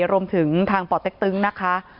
รวมถึงทางป่อเต็กตึงนะคะ